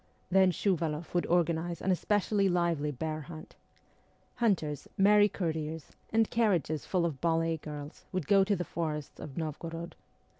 Then Shuvaloff would organize an especially lively bear hunt. Hunters, merry cour tiers, and carriages full of ballet girls would go to the forests of Novgorod.